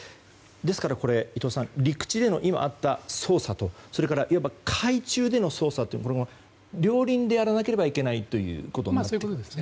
ですから伊藤さん陸地で、今あった捜査とそれから、海中での捜査両輪でやらなければいけないということですか。